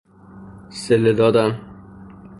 صله دادن